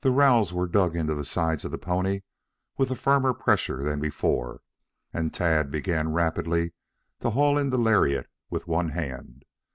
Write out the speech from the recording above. The rowels were dug into the sides of the pony with a firmer pressure than before, and Tad began rapidly to haul in the lariat with one hand.